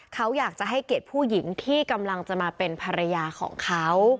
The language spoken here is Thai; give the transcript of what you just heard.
เขาอยากจะให้เกียรติผู้หญิงที่กำลังจะมาเป็นภรรยาของเขา